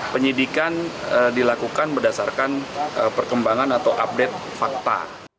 penyidikan dilakukan berdasarkan perkembangan atau update fakta